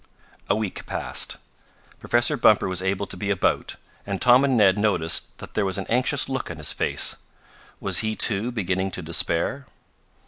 A week passed. Professor Bumper was able to be about, and Tom and Ned noticed that there was an anxious look on his face. Was he, too, beginning to despair?